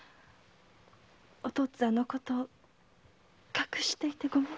お父っつぁんのこと隠していてごめんなさい。